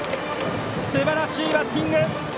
すばらしいバッティング。